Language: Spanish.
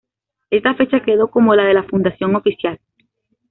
Esta fecha quedó como la de fundación oficial.